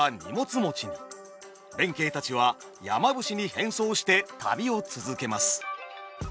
弁慶たちは山伏に変装して旅を続けます。